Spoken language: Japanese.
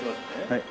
はい。